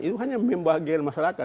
itu hanya membahagiakan masyarakat